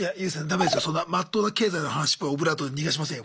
そんなまっとうな経済の話っぽいオブラートで逃がしませんよ